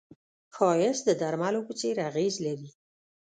ښایست د درملو په څېر اغېز لري